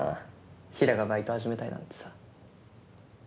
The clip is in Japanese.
平良がバイト始めたいなんてさ。